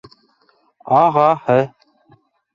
Ағаһы.